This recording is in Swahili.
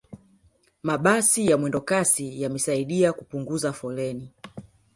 mabasi ya mwendokasi yamesaidia kupunguza foleni